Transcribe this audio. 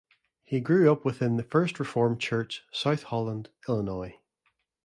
He grew up within the First Reformed Church, South Holland, Illinois.